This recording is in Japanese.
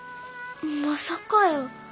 まさかやー。